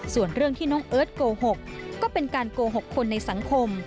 ส่วนเรื่องที่น้องเอิร์ทโกหกก็เป็นการโกหกคนในสังคม